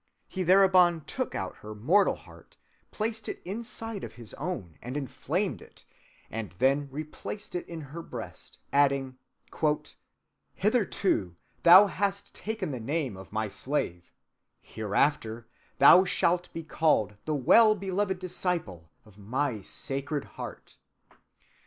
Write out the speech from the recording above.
He thereupon took out her mortal heart, placed it inside of his own and inflamed it, and then replaced it in her breast, adding: "Hitherto thou hast taken the name of my slave, hereafter thou shalt be called the well‐beloved disciple of my Sacred Heart."